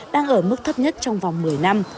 đang ở mức thấp nhất trong vòng một mươi năm